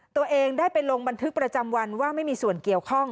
ตัวเองได้ไปลงบันทึกประจำวันว่าไม่มีส่วนเกี่ยวข้อง